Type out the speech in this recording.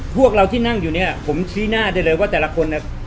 พวกเราที่นั่งอยู่เนี่ยผมชี้หน้าได้เลยว่าแต่ละคนเนี่ย